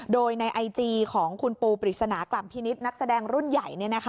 โดยในไอจีของคุณปูปริศนากล่ำพินิษฐ์นักแสดงรุ่นใหญ่